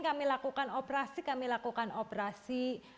kami lakukan operasi kami lakukan operasi